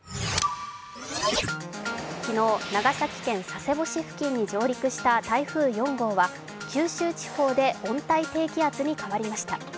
昨日、長崎県佐世保市付近に上陸した台風４号は九州地方で温帯低気圧に変わりました。